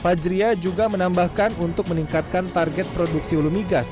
fajriya juga menambahkan untuk meningkatkan target produksi lumigas